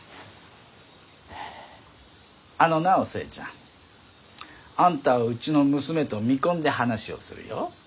あのなお寿恵ちゃんあんたをうちの娘と見込んで話をするよ。